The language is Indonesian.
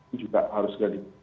ini juga harus jadi